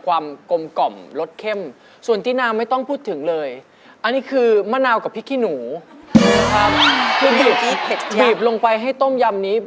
คือบีบลงไปให้ต้มยำนี้